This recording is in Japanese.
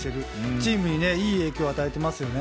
チームにいい影響を与えていますよね。